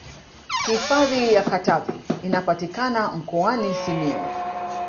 hifadhi ya katavi inapatikana mkoani simiyu